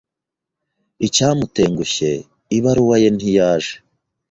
Icyamutengushye, ibaruwa ye ntiyaje.